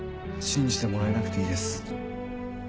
信じてもらえなくていいです。